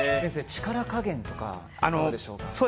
力加減とかどうでしょうか。